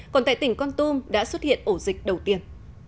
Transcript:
còn tại tỉnh con tum đã xuất hiện ổ dịch đầu tiên